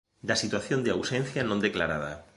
Da situación de ausencia non declarada